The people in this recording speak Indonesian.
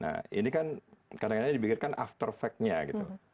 nah ini kan kadang kadang dibikirkan after factnya gitu